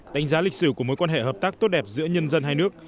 đánh giá lịch sử của mối quan hệ hợp tác tốt đẹp giữa nhân dân hai nước